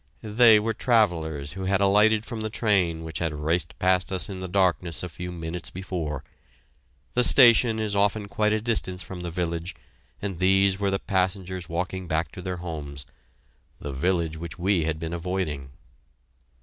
They were travellers who had alighted from the train which had raced past us in the darkness a few minutes before. The station is often quite a distance from the village, and these were the passengers walking back to their homes the village which we had been avoiding.